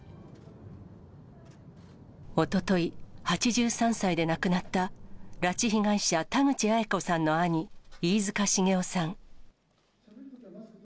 おととい、８３歳で亡くなった拉致被害者、田口八重子さんの兄、飯塚繁雄さ